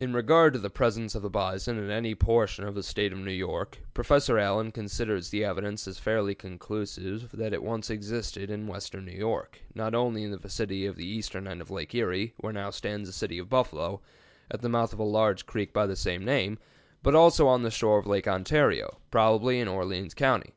In regard to the presence of the bison in any portion of the State of New York, Professor Allen considers the evidence as fairly conclusive that it once existed in western New York, not only in the vicinity of the eastern end of Lake Erie, where now stands the city of Buffalo, at the mouth of a large creek of the same name, but also on the shore of Lake Ontario, probably in Orleans County.